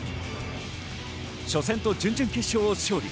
初戦と準々決勝を勝利。